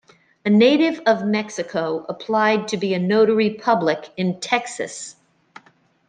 A native of Mexico applied to be a notary public in Texas.